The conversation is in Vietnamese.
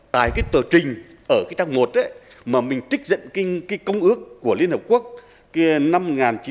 tại cái tờ trình ở cái trang một mà mình trích dẫn cái công ước của liên hợp quốc năm một nghìn chín trăm tám mươi hai